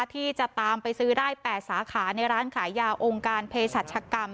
ที่จะตามไปซื้อได้๘สาขาในร้านขายยาองค์การเพศรัชกรรม